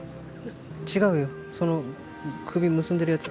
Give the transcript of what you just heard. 違うよその首結んでるやつ。